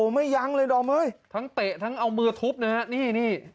ไม่ยั้งเลยด่อมเตะทั้งเอามือทุบนะนี่